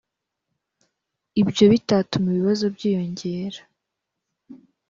ibyo bitatuma ibibazo byiyongera